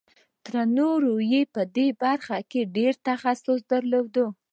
تر نورو یې په دې برخه کې ډېر تخصص درلود